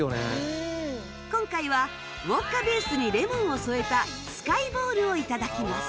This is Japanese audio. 今回はウォッカベースにレモンを添えたスカイボールを頂きます